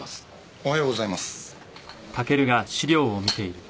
おはようございます。